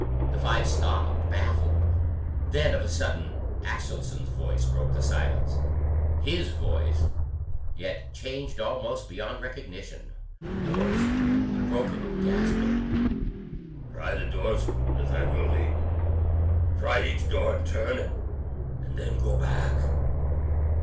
The five stopped, baffled. Then of a sudden Axelson's voice broke the silence his voice, yet changed almost beyond recognition, hoarse, broken, and gasping: "Try the doors, Nathaniel Lee. Try each door in turn, and then go back.